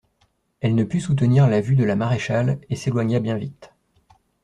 Elle ne put soutenir la vue de la maréchale et s'éloigna bien vite.